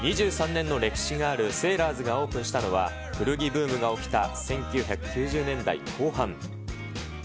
２３年の歴史があるセーラーズがオープンしたのは、古着ブームが起きた１９９０年代後半。